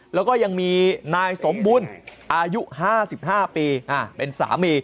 แล้วก็ยังมีนายสมบุญอายุ๕๕ปีเป็นสามี